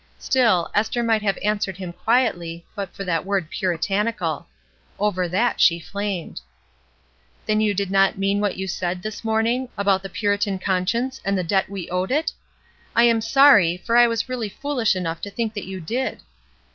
Still, Esther might have answered him quietly but for that word "Puritanical." Over that she flamed. "Then you did not mean what you said, this morning, about the Puritan conscience and the WORDS 145 debt we owed it? I am sorry, for I was really foolish enough to think that you did."